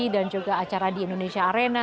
dan juga acara di indonesia arena